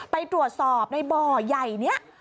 ไปตรวจสอบในบ่อใหญ่นี้